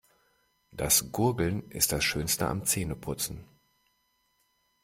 Das Gurgeln ist das Schönste am Zähneputzen.